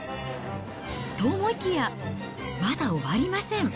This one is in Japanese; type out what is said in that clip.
と思いきや、まだ終わりません。